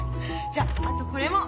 じゃあとこれも。